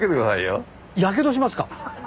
やけどしますか？